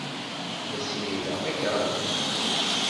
La ssirideɣ takeṛṛust.